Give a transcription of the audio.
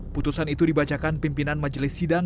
putusan itu dibacakan pimpinan majelis sidang